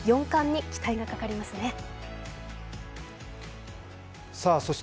４冠に期待がかかりますね。